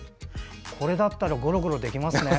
これだったらゴロゴロできますね。